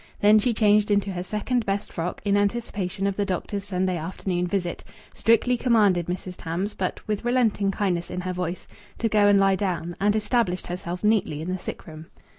Then she changed into her second best frock, in anticipation of the doctor's Sunday afternoon visit, strictly commanded Mrs. Tams (but with relenting kindness in her voice) to go and lie down, and established herself neatly in the sick room.